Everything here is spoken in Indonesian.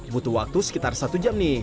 butuh waktu sekitar satu jam nih